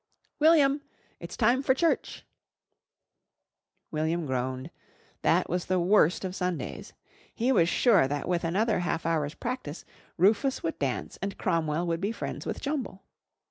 "William! It's time for church." William groaned. That was the worst of Sundays. He was sure that with another half hour's practice Rufus would dance and Cromwell would be friends with Jumble.